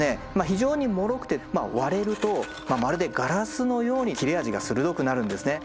非常にもろくて割れるとまるでガラスのように切れ味が鋭くなるんですね。